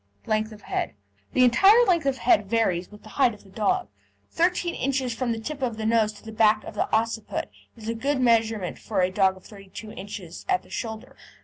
LENGTH OF HEAD The entire length of head varies with the height of the dog, 13 ins. from the tip of the nose to the back of the occiput is a good measurement for a dog of 32 ins. at the shoulder.